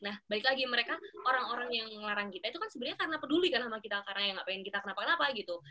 nah balik lagi mereka orang orang yang ngelarang kita itu kan sebenarnya karena peduli kan sama kita karena yang gak pengen kita kenapa napa gitu